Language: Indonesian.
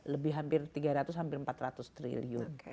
lebih hampir tiga ratus sampai empat ratus triliun